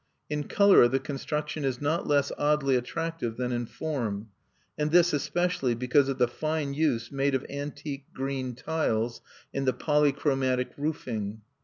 In color the construction is not less oddly attractive than in form, and this especially because of the fine use made of antique green tiles in the polychromatic roofing.